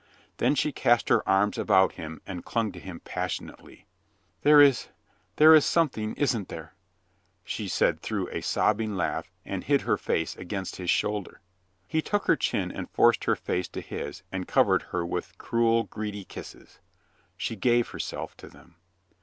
Then she cast her arms about him and clung to him pas sionately. "There is — there is something, isn't there?" she said through a sobbing laugh and hid her face against his shoulder. He took her chin and forced her face to his and covered her with cruel, greedy kisses ... She gave herself to them